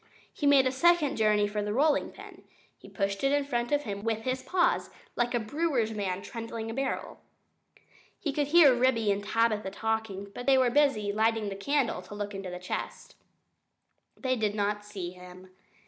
He made a second journey for the rolling pin. He pushed it in front of him with his paws, like a brewer's man trundling a barrel. He could hear Ribby and Tabitha talking, but they were too busy lighting the candle to look into the chest. They did not see him.